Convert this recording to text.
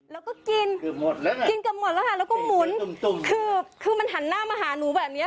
แล้วก็กินกินกันหมดแล้วค่ะแล้วก็หมุนคือคือมันหันหน้ามาหาหนูแบบนี้ค่ะ